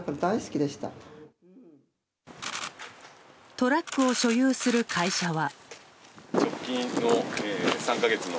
トラックを所有する会社は。